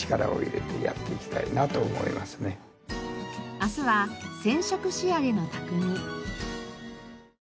明日は染色仕上の匠。